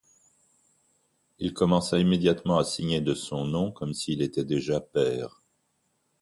Il commença immédiatement à signer de son nom comme s'il était déjà pair.